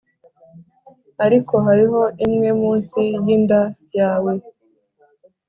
ariko hariho imwe munsi yinda yawe,